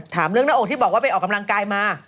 ถามเรื่องหน้าอกที่บอกว่าไปออกกำลังกายมา